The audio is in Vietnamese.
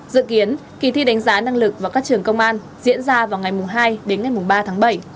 dự kiến kỳ thi đánh giá năng lực vào các trường công an diễn ra vào ngày hai đến ngày ba tháng bảy